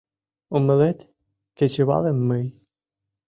— Умылет, кечывалым мый...